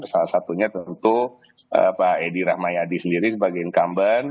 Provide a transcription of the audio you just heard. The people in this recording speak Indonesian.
salah satunya tentu pak edi rahmayadi sendiri sebagai incumbent